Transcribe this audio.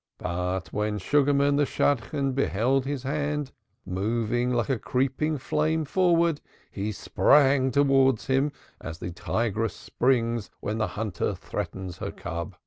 But when Sugarman the Shadchan beheld his hand moving like a creeping flame forward, he sprang towards him, as the tigress springs when the hunter threatens her cub.